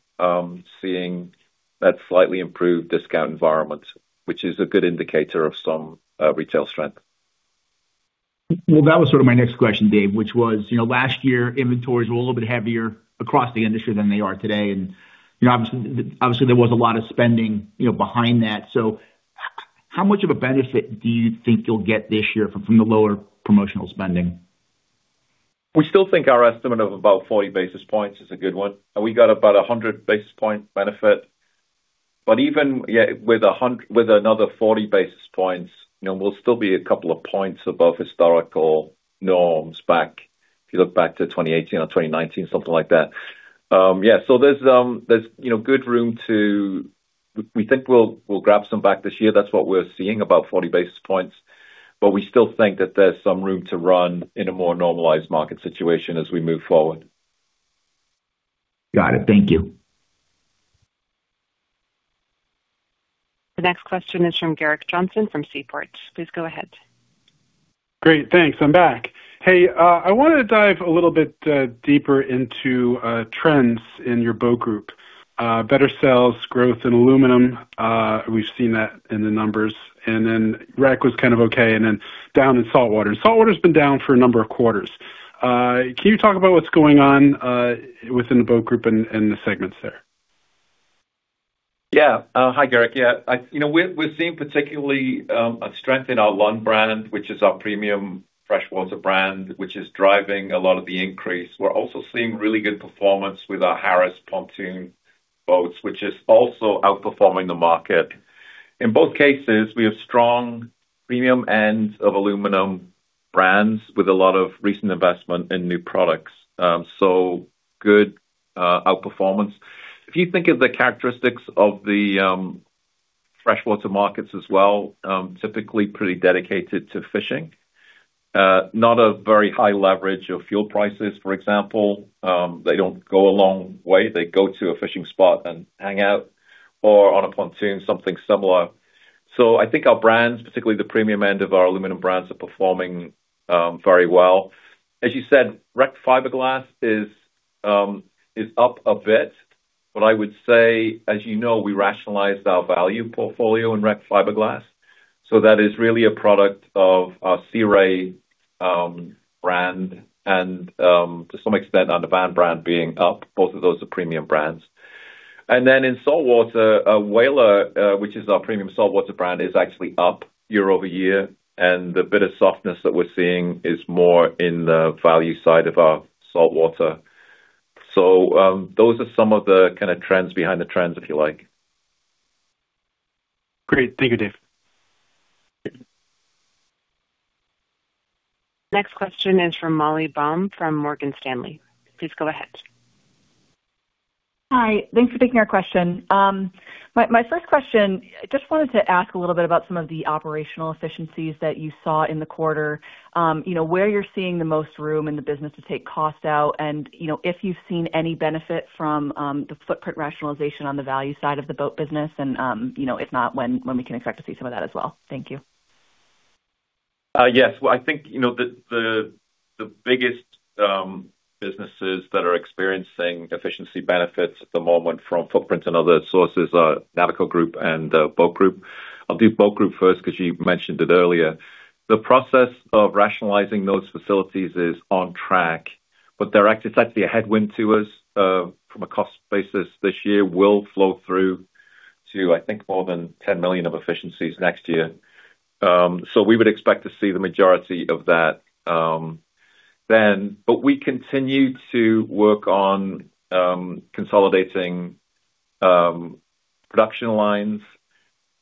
seeing that slightly improved discount environment, which is a good indicator of some retail strength. Well, that was sort of my next question, Dave, which was, you know, last year inventories were a little bit heavier across the industry than they are today. You know, obviously there was a lot of spending, you know, behind that. How much of a benefit do you think you'll get this year from the lower promotional spending? We still think our estimate of about 40 basis points is a good one. We got about a 100 basis point benefit. Even, with another 40 basis points, you know, we'll still be a couple of points above historical norms back, if you look back to 2018 or 2019, something like that. There's, you know, good room to. We think we'll grab some back this year. That's what we're seeing, about 40 basis points. We still think that there's some room to run in a more normalized market situation as we move forward. Got it. Thank you. The next question is from Gerrick Johnson from Seaport. Please go ahead. Great. Thanks. I'm back. Hey, I wanna dive a little bit deeper into trends in your Boat Group. Better sales growth in aluminum, we've seen that in the numbers. Then Rec was kind of okay, then down in saltwater. Saltwater's been down for a number of quarters. Can you talk about what's going on within the Boat Group and the segments there? Hi, Gerrick. You know, we're seeing particularly a strength in our Lund brand, which is our premium freshwater brand, which is driving a lot of the increase. We're also seeing really good performance with our Harris Pontoon boats, which is also outperforming the market. In both cases, we have strong premium ends of aluminum brands with a lot of recent investment in new products. Good outperformance. If you think of the characteristics of the freshwater markets as well, typically pretty dedicated to fishing. Not a very high leverage of fuel prices, for example. They don't go a long way. They go to a fishing spot and hang out or on a pontoon, something similar. I think our brands, particularly the premium end of our aluminum brands, are performing very well. As you said, Rec fiberglass is up a bit. I would say, as you know, we rationalized our value portfolio in Rec fiberglass. That is really a product of our Sea Ray brand and, to some extent, on the Navan brand being up. Both of those are premium brands. Then in saltwater, Whaler, which is our premium saltwater brand, is actually up year-over-year, and the bit of softness that we're seeing is more in the value side of our saltwater. Those are some of the kinda trends behind the trends, if you like. Great. Thank you, Dave. Next question is from Molly Baum from Morgan Stanley. Please go ahead. Hi. Thanks for taking our question. My first question, just wanted to ask a little bit about some of the operational efficiencies that you saw in the quarter. You know, where you're seeing the most room in the business to take costs out and, you know, if you've seen any benefit from the footprint rationalization on the value side of the boat business and, you know, if not, when we can expect to see some of that as well. Thank you. Yes. Well, I think, you know, the, the biggest businesses that are experiencing efficiency benefits at the moment from footprint and other sources are Navico Group and Boat Group. I'll do Boat Group first because you mentioned it earlier. The process of rationalizing those facilities is on track, but they're actually slightly a headwind to us from a cost basis this year will flow through to, I think, more than $10 million of efficiencies next year. We would expect to see the majority of that then. We continue to work on consolidating production lines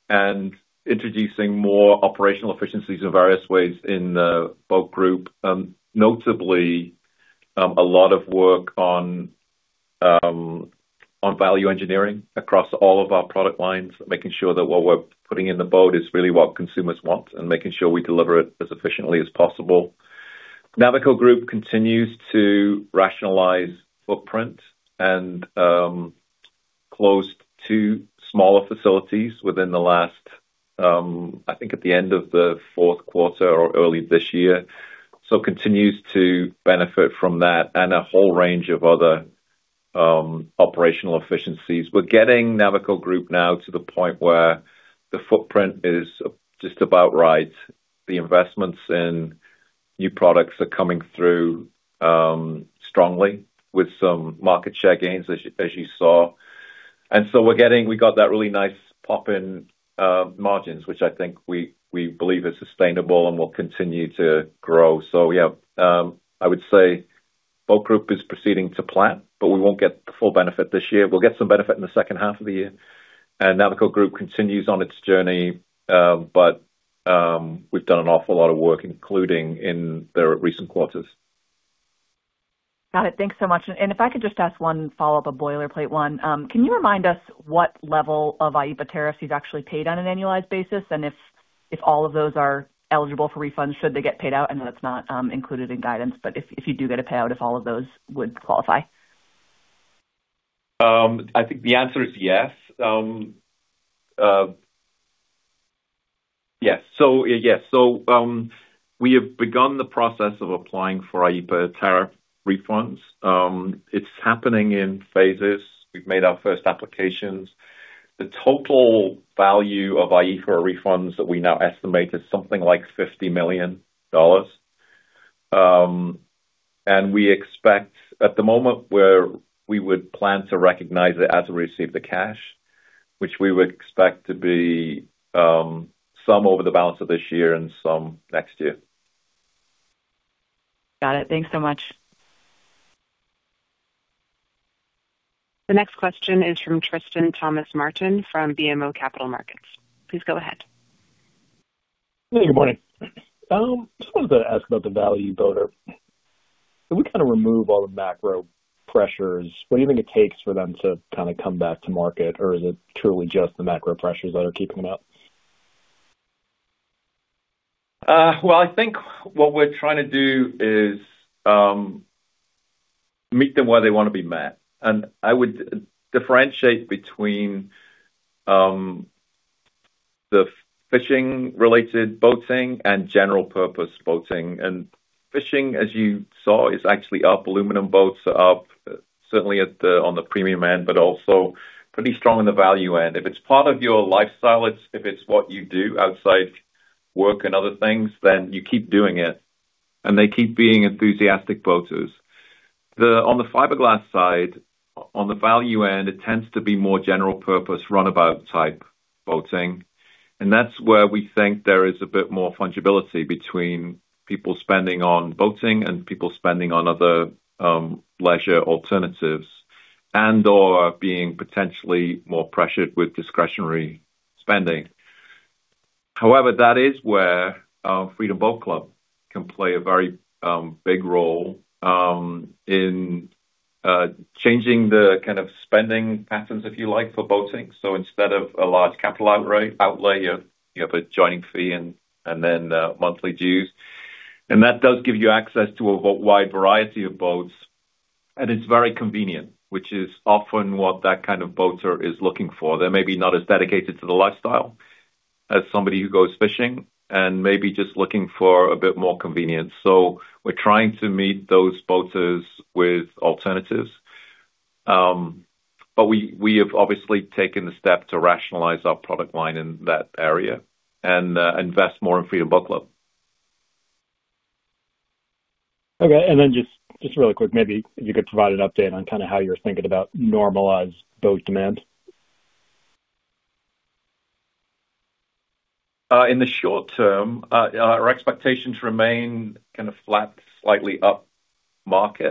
and introducing more operational efficiencies in various ways in the Boat Group. Notably, a lot of work on value engineering across all of our product lines, making sure that what we're putting in the boat is really what consumers want and making sure we deliver it as efficiently as possible. Navico Group continues to rationalize footprint and closed two smaller facilities within the last, I think at the end of the fourth quarter or early this year. Continues to benefit from that and a whole range of other operational efficiencies. We're getting Navico Group now to the point where the footprint is just about right. The investments in new products are coming through strongly with some market share gains as you saw. We got that really nice pop in margins, which I think we believe is sustainable and will continue to grow. I would say Boat Group is proceeding to plan, but we won't get the full benefit this year. We'll get some benefit in the second half of the year. Navico Group continues on its journey, but we've done an awful lot of work, including in their recent quarters. Got it. Thanks so much. If I could just ask one follow-up, a boilerplate one. Can you remind us what level of IEPA tariffs you've actually paid on an annualized basis? If all of those are eligible for refunds, should they get paid out? I know that's not included in guidance, but if you do get a payout, if all of those would qualify. I think the answer is yes. Yes. We have begun the process of applying for IEPA tariff refunds. It's happening in phases. We've made our first applications. The total value of IEPA refunds that we now estimate is something like $50 million. We expect at the moment where we would plan to recognize it as we receive the cash, which we would expect to be, some over the balance of this year and some next year. Got it. Thanks so much. The next question is from Tristan Thomas-Martin from BMO Capital Markets. Please go ahead. Hey, good morning. Just wanted to ask about the value boater. If we remove all the macro pressures, what do you think it takes for them to come back to market? Or is it truly just the macro pressures that are keeping them up? Well, I think what we're trying to do is meet them where they wanna be met. I would differentiate between the fishing related boating and general purpose boating. Fishing, as you saw, is actually up. Aluminum boats are up, certainly on the premium end, but also pretty strong in the value end. If it's part of your lifestyle, if it's what you do outside work and other things, then you keep doing it, and they keep being enthusiastic boaters. On the fiberglass side, on the value end, it tends to be more general purpose, runabout type boating, and that's where we think there is a bit more fungibility between people spending on boating and people spending on other leisure alternatives and/or being potentially more pressured with discretionary spending. That is where Freedom Boat Club can play a very big role in changing the kind of spending patterns, if you like, for boating. Instead of a large capital outlay, you have a joining fee and then monthly dues. That does give you access to a wide variety of boats, and it's very convenient, which is often what that kind of boater is looking for. They're maybe not as dedicated to the lifestyle as somebody who goes fishing and maybe just looking for a bit more convenience. We're trying to meet those boaters with alternatives. We have obviously taken the step to rationalize our product line in that area and invest more in Freedom Boat Club. Okay. Just really quick, maybe if you could provide an update on kind of how you're thinking about normalized boat demand. In the short term, our expectations remain kind of flat, slightly up. When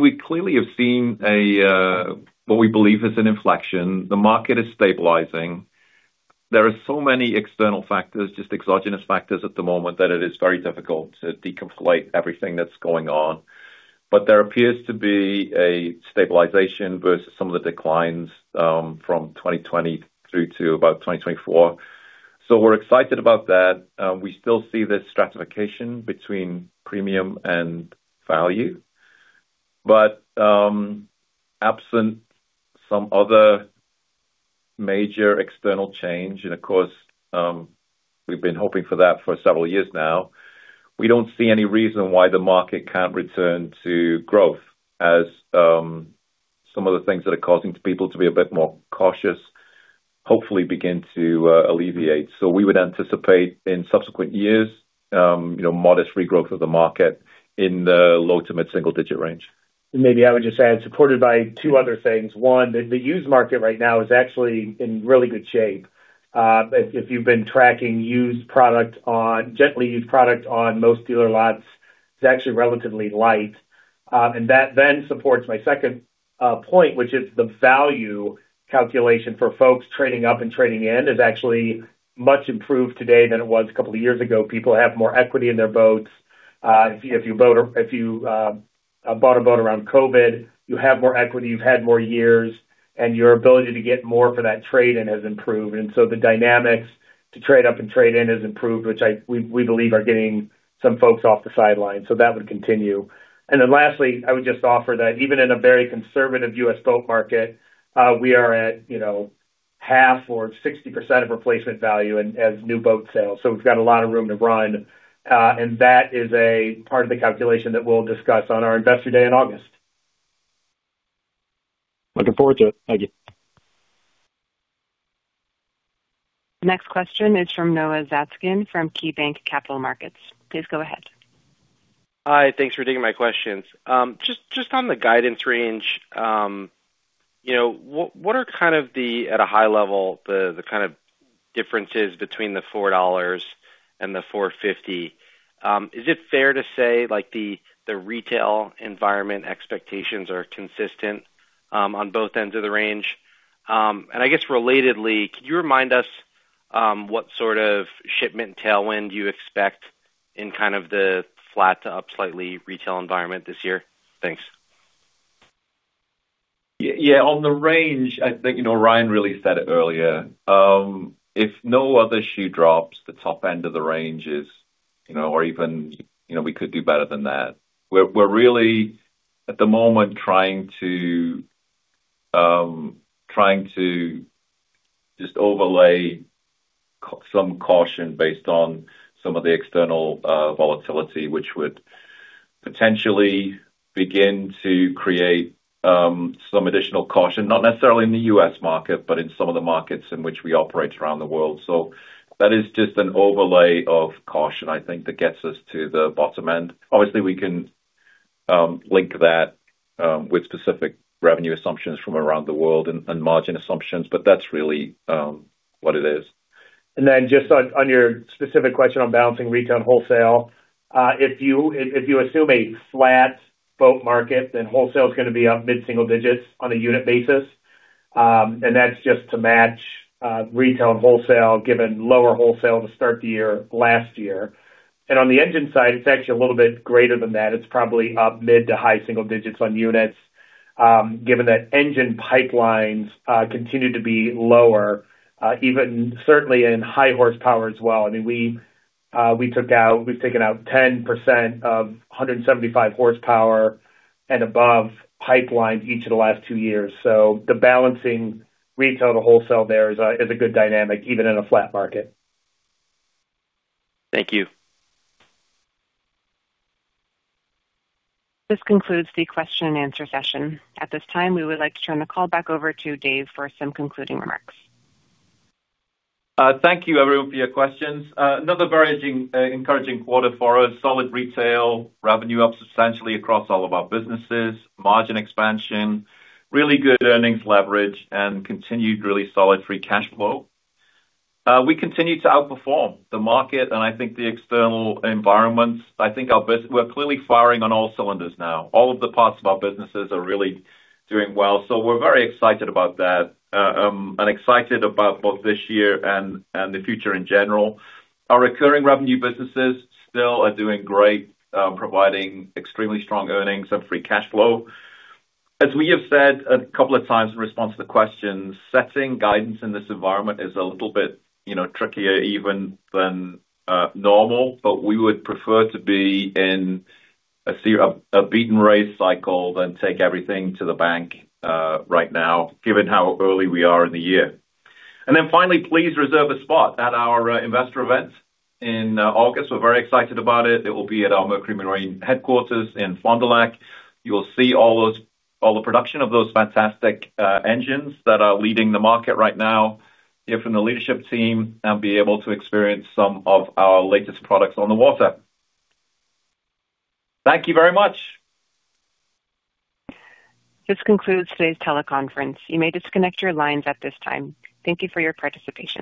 we clearly have seen what we believe is an inflection, the market is stabilizing. There are so many external factors, just exogenous factors at the moment, that it is very difficult to deconflate everything that's going on. There appears to be a stabilization versus some of the declines from 2020 through to about 2024. We're excited about that. We still see this stratification between premium and value. Absent some other major external change, and of course, we've been hoping for that for several years now. We don't see any reason why the market can't return to growth as some of the things that are causing people to be a bit more cautious hopefully begin to alleviate. we would anticipate in subsequent years, you know, modest regrowth of the market in the low to mid-single digit range. Maybe I would just add, supported by two other things. One, the used market right now is actually in really good shape. If you've been tracking gently used product on most dealer lots, it's actually relatively light. That then supports my second point, which is the value calculation for folks trading up and trading in is actually much improved today than it was a couple of years ago. People have more equity in their boats. If you boat or if you bought a boat around COVID, you have more equity, you've had more years, and your ability to get more for that trade-in has improved. The dynamics to trade up and trade-in has improved, which we believe are getting some folks off the sidelines. That would continue. Lastly, I would just offer that even in a very conservative U.S. boat market, we are at, you know, half or 60% of replacement value as new boat sales. We've got a lot of room to run. That is a part of the calculation that we'll discuss on our Investor Day in August. Looking forward to it. Thank you. Next question is from Noah Zatzkin from KeyBanc Capital Markets. Please go ahead. Hi, thanks for taking my questions. Just on the guidance range, you know, what are kind of the, at a high level, the kind of differences between the $4 and the $4.50? Is it fair to say, like the retail environment expectations are consistent on both ends of the range? I guess relatedly, could you remind us what sort of shipment tailwind you expect in kind of the flat to up slightly retail environment this year? Thanks. Yeah. On the range, I think, you know, Ryan really said it earlier. If no other shoe drops, the top end of the range is, you know, or even, you know, we could do better than that. We're really at the moment trying to just overlay some caution based on some of the external volatility, which would potentially begin to create some additional caution, not necessarily in the U.S. market, but in some of the markets in which we operate around the world. That is just an overlay of caution, I think, that gets us to the bottom end. Obviously, we can link that with specific revenue assumptions from around the world and margin assumptions, but that's really what it is. Then just on your specific question on balancing retail and wholesale. If you assume a flat boat market, then wholesale is gonna be up mid-single digits on a unit basis. That's just to match retail and wholesale, given lower wholesale to start the year last year. On the engine side, it's actually a little bit greater than that. It's probably up mid to high single digits on units, given that engine pipelines continue to be lower, even certainly in high horsepower as well. I mean, we've taken out 10% of 175 horsepower and above pipelines each of the last two years. The balancing retail to wholesale there is a good dynamic, even in a flat market. Thank you. This concludes the question and answer session. At this time, we would like to turn the call back over to Dave for some concluding remarks. Thank you everyone for your questions. Another very encouraging quarter for us. Solid retail, revenue up substantially across all of our businesses, margin expansion, really good earnings leverage, and continued really solid free cash flow. We continue to outperform the market and I think the external environments. I think our we're clearly firing on all cylinders now. All of the parts of our businesses are really doing well. We're very excited about that. Excited about both this year and the future in general. Our recurring revenue businesses still are doing great, providing extremely strong earnings and free cash flow. As we have said a couple of times in response to the questions, setting guidance in this environment is a little bit, you know, trickier even than normal. We would prefer to be in a beaten race cycle than take everything to the bank right now, given how early we are in the year. Finally, please reserve a spot at our investor event in August. We're very excited about it. It will be at our Mercury Marine headquarters in Fond du Lac. You'll see all those all the production of those fantastic engines that are leading the market right now. Hear from the leadership team and be able to experience some of our latest products on the water. Thank you very much. This concludes today's teleconference. You may disconnect your lines at this time. Thank you for your participation.